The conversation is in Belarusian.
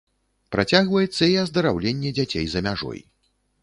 Працягваецца і аздараўленне дзяцей за мяжой.